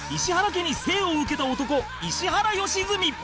家に生を受けた男石原良純